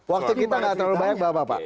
waktu kita gak terlalu banyak bapak bapak